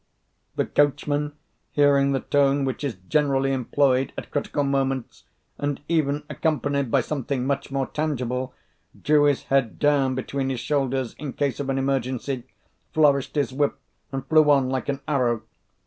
The coachman, hearing the tone which is generally employed at critical moments and even accompanied by something much more tangible, drew his head down between his shoulders in case of an emergency, flourished his whip, and flew on like an arrow.